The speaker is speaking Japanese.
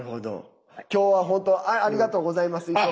きょうは本当ありがとうございます。